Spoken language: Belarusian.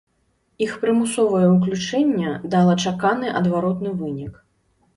Іх прымусовае ўключэнне дала чаканы адваротны вынік.